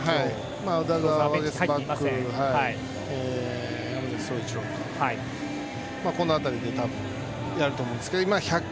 だからワゲスパック山崎颯一郎とこの辺りでやると思うんですね。